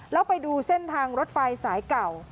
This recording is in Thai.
แล้วไปดูเส้นทางรถไฟสายเก่า